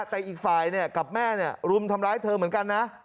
แต่อีกฝ่ายกับแม่รุมทำร้ายเธอเหมือนกันนะ